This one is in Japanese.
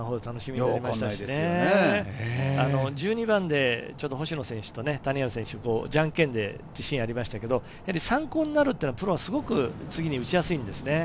１２番で星野選手を谷原選手、ジャンケンで自信ありましたけど、参考になるというのはプロはすごく打ちやすいんですね。